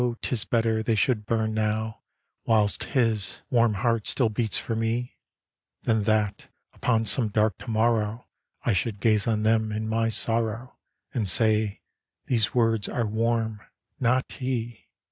'tis better they should burn now, Whilst His warm heart still beats for me, Than that, upon some dark to morrow, 1 should gaze on them, in my sorrow, And say, " These words are warm — not He!'